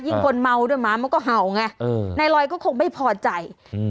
คนเมาด้วยหมามันก็เห่าไงเออนายลอยก็คงไม่พอใจอืม